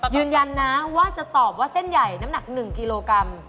ยืนยันนะว่าจะตอบว่าเส้นใหญ่น้ำหนัก๑กิโลกรัม